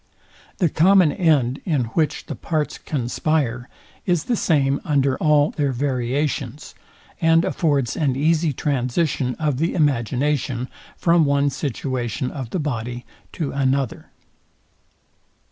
The common end, in which the parts conspire, is the same under all their variations, and affords an easy transition of the imagination from one situation of the body to another.